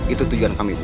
itu tujuan kami bu